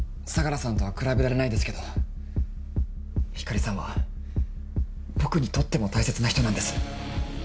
相良さんとは比べられないですけど光莉さんは僕にとっても大切な人なんです。